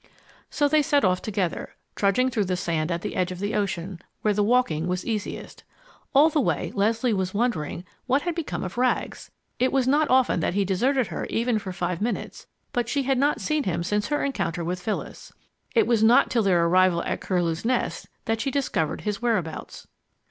So they set off together, trudging through the sand at the edge of the ocean, where the walking was easiest. All the way, Leslie was wondering what had become of Rags. It was not often that he deserted her even for five minutes, but she had not seen him since her encounter with Phyllis. It was not till their arrival at Curlew's Nest that she discovered his whereabouts.